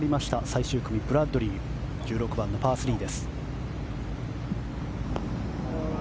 最終組、ブラッドリー１６番のパー３です。